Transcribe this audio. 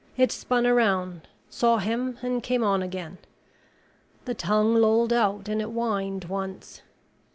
It spun around, saw him, and came on again. The tongue lolled out and it whined once.